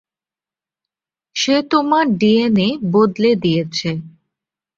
সে তোমার ডিএনএ বদলে দিয়েছে।